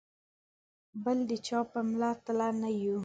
بل د چا په مله تله نه یو.